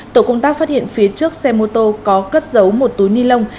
tổ công tác phát hiện phía trước xe mô tô có cất giấu một túi ni lông